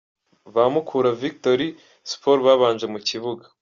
ba Mukura Victory Sport babanje mu kibuga .